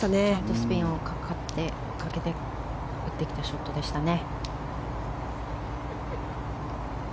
スピンをかけて打ってきたショットでしたね。